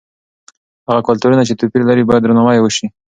هغه کلتورونه چې توپیر لري باید درناوی یې وسي.